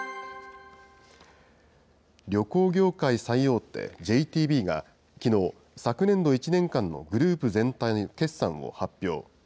旅行業界最大手、ＪＴＢがきのう、昨年度１年間のグループ全体の決算を発表。